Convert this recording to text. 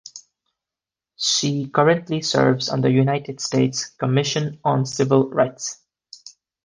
She currently serves on the United States Commission on Civil Rights.